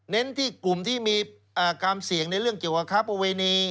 ที่กลุ่มที่มีความเสี่ยงในเรื่องเกี่ยวกับค้าประเวณี